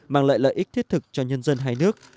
mang lại lợi ích thiết thực cho nhân dân hai nước